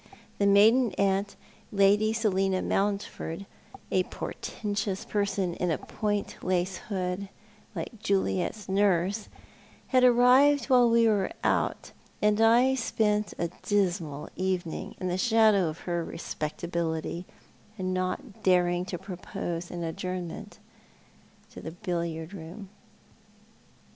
The maiden aunt, Lady Selina Mountford, a portentous person in a point lace ,]iood, like Juliet's nurse, had arrived while we were out, and I spent a dismal evening in the shadow of her respectability, not daring to propose an adjournment to the billiard room. 2o6 Thou ari the Man.